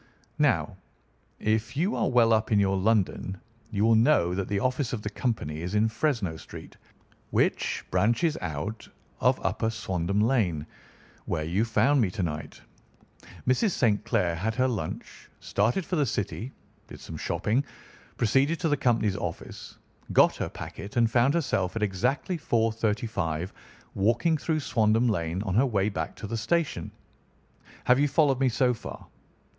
Now, if you are well up in your London, you will know that the office of the company is in Fresno Street, which branches out of Upper Swandam Lane, where you found me to night. Mrs. St. Clair had her lunch, started for the City, did some shopping, proceeded to the company's office, got her packet, and found herself at exactly 4:35 walking through Swandam Lane on her way back to the station. Have you followed me so far?"